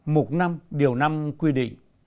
mục năm điều năm quy định